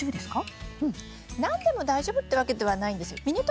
何でも大丈夫ってわけではないんですよ。